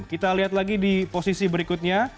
kita lihat lagi di posisi berikutnya